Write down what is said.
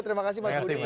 terima kasih mas budi